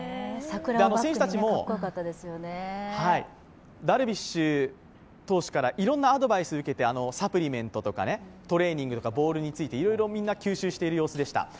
選手たちもダルビッシュ投手からいろんなアドバイスを受けてサプリメントとかトレーニングとかボールについて、いろいろみんな吸収している様子でした。